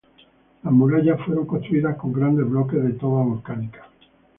Las murallas fueron construidas con grandes bloques de toba volcánica.